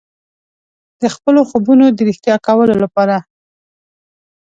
د خپلو خوبونو د ریښتیا کولو لپاره.